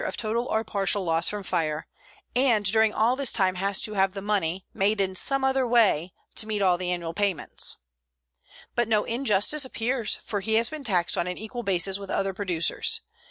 74 an acre, besides being always in danger of total or partial loss from fire, and during all this time has to have the money, made in some other way, to meet all the annual payments. But no injustice appears, for he has been taxed on an equal basis with other producers.